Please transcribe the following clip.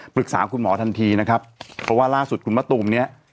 ปรึกษาคุณหมอทันทีนะครับเพราะว่าล่าสุดคุณมะตูมเนี่ย